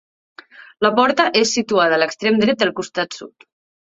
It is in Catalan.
La porta és situada a l'extrem dret del costat sud.